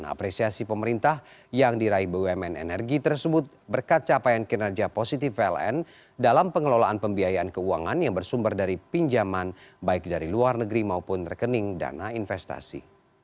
apresiasi pemerintah yang diraih bumn energi tersebut berkat capaian kinerja positif pln dalam pengelolaan pembiayaan keuangan yang bersumber dari pinjaman baik dari luar negeri maupun rekening dana investasi